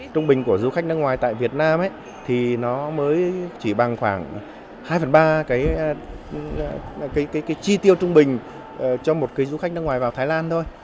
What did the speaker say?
trung bình của du khách nước ngoài tại việt nam thì nó mới chỉ bằng khoảng hai phần ba cái chi tiêu trung bình cho một cái du khách nước ngoài vào thái lan thôi